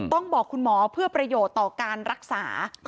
ต้องบอกคุณหมอเพื่อประโยชน์ต่อการรักษา